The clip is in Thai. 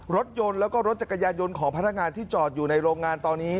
รถยนต์แล้วก็รถจักรยานยนต์ของพนักงานที่จอดอยู่ในโรงงานตอนนี้